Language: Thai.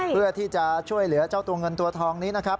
เพื่อที่จะช่วยเหลือเจ้าตัวเงินตัวทองนี้นะครับ